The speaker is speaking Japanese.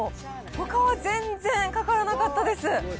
ほかは全然かからなかったです。